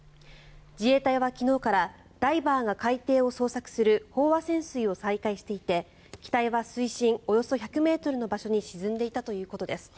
自衛隊は昨日からダイバーが海底を捜索する飽和潜水を再開していて機体は水深およそ１００ｍの場所に沈んでいたということです。